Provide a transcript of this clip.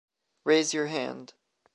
Raise your hand.